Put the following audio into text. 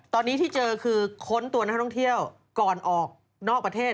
ตอนนี้ที่เจอคือค้นตัวนักท่องเที่ยวก่อนออกนอกประเทศ